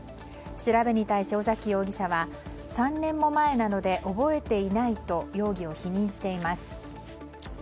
調べに対し尾崎容疑者は３年も前なので覚えていないと容疑を否認しています。